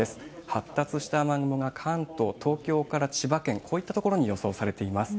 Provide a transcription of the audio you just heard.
発達した雨雲が関東、東京から千葉県、こういった所に予想されています。